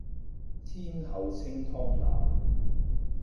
天后清湯腩